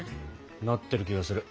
なってる気がする。